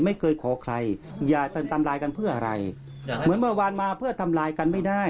ไม่เคยขอใครอย่าทำลายกันเพื่ออะไรเหมือนเมื่อวานมาเพื่อทำลายกันไม่ได้